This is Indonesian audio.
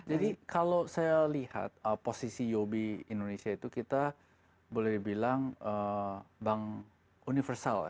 jadi kalau saya lihat posisi uob indonesia itu kita boleh dibilang bank universal